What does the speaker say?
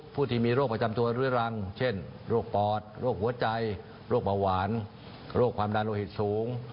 ผู้ที่มีโรคประจำตัวเรื้อรังเช่นโรคปอดโรคหัวใจโรคเบาหวานโรคความดันโลหิตสูง